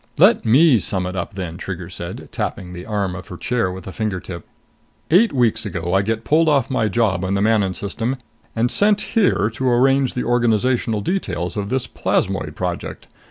"Let me sum it up then," Trigger said, tapping the arm of her chair with a finger tip. "Eight weeks ago I get pulled off my job in the Manon System and sent here to arrange the organizational details of this Plasmoid Project.